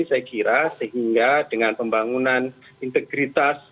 saya kira sehingga dengan pembangunan integritas